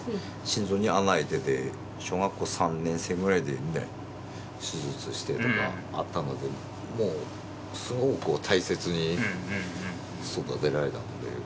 心臓に穴あいてて小学校３年生ぐらいでね手術してとかあったのでもうすごく大切に育てられたので。